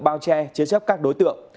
bao che chế chấp các đối tượng